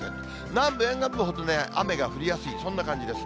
南部沿岸部ほど雨が降りやすい、そんな感じです。